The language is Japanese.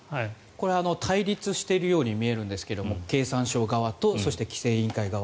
これは対立しているように見えるんですが経産省側と規制委員会側。